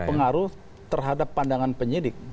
berpengaruh terhadap pandangan penyelidik